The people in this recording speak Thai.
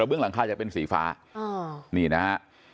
เบื้องหลังคาจะเป็นสีฟ้านี่นะฮะ